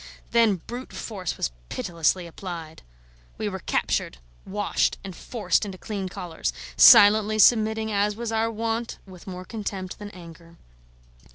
Then brute force was pitilessly applied. We were captured, washed, and forced into clean collars: silently submitting, as was our wont, with more contempt than anger.